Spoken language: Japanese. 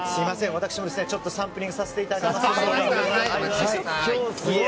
私もサンプリングさせていただこうかと。